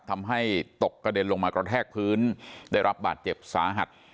ทำให้ตกกระเด็นลงมากระแทกพื้นได้รับบาดเจ็บสาหัส